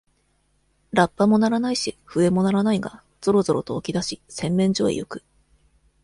ラッパも鳴らないし、笛も鳴らないが、ぞろぞろと起き出し、洗面所へゆく。